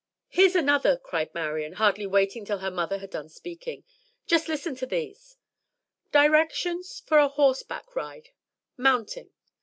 "Here's another," cried Marian, hardly waiting till her mother had done speaking. "Just listen to these "'_Directions for a horseback ride. Mounting.